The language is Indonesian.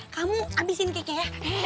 kamu abisin keke ya